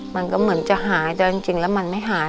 มันก็เหมือนจะหายแต่จริงแล้วมันไม่หาย